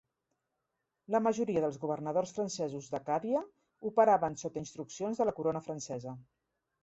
La majoria dels governadors francesos d'Acàdia operaven sota instruccions de la corona francesa.